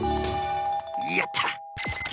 やった！